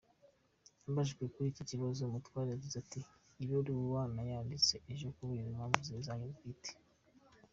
Abajijwe kuri iki kibazo Mutwara yagize ati“Ibaruwa nayanditse ejo kubera impamvu zanjye bwite.